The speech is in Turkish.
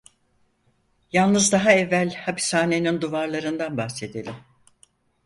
Yalnız daha evvel hapishanenin duvarlarından bahsedelim.